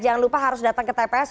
jangan lupa harus datang ke tps